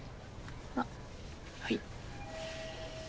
あっはい。